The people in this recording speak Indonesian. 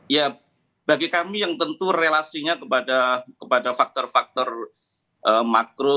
ya bagi kami yang tentu relasinya kepada faktor faktor makro